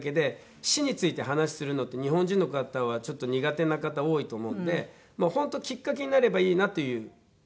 死について話するのって日本人の方はちょっと苦手な方多いと思うんで本当きっかけになればいいなという気持ちがあります。